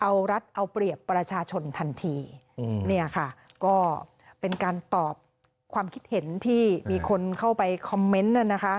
เอารัฐเอาเปรียบประชาชนทันทีเนี่ยค่ะก็เป็นการตอบความคิดเห็นที่มีคนเข้าไปคอมเมนต์น่ะนะคะ